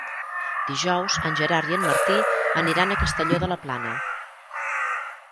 Dijous en Gerard i en Martí aniran a Castelló de la Plana.